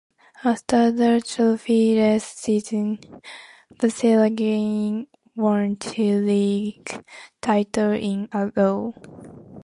After a trophy-less season, Basel again won two league titles in-a-row.